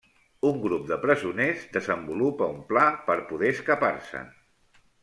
Un grup de presoners desenvolupa un pla per poder escapar-se.